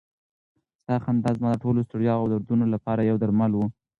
ستا خندا زما د ټولو ستړیاوو او دردونو لپاره یو درمل و.